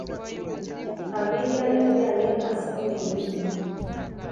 , Abiya yabyaye Asa wenyine